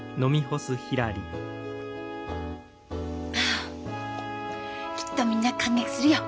あきっとみんな感激するよ。